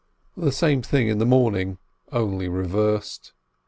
The same thing in the morning, only reversed.